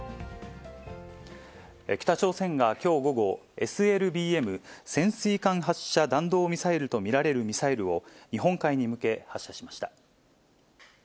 北朝鮮がきょう午後、ＳＬＢＭ・潜水艦発射弾道ミサイルと見られるミサイルを、日本海に向け発射しました。